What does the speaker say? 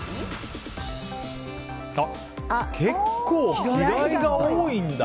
結構、嫌いが多いんだ。